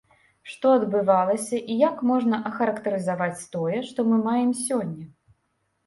Што адбывалася і як можна ахарактарызаваць тое, што мы маем сёння?